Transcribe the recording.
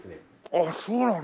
ああそうなの。